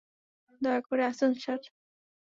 দয়া করে আসুন স্যার।